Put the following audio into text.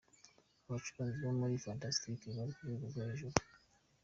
Abacuranzi bo muri Fantastic bari ku rwego rwo hejuru.